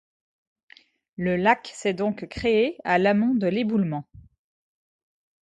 Le lac s'est donc créé à l'amont de l'éboulement.